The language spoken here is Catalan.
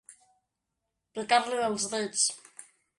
Picar-li els dits.